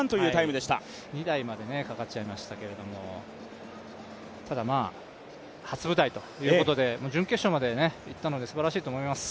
２台までかかっちゃいましたけど、初舞台ということで、準決勝までいったのですばらしいと思います。